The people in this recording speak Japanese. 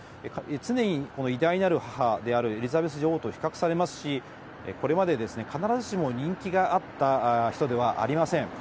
常に偉大なる母であるエリザベス女王と比較されますし、これまで必ずしも人気があった人ではありません。